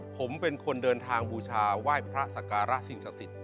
ผมเป็นคนเดินทางบูชาไหว้พระสการะสิ่งศักดิ์สิทธิ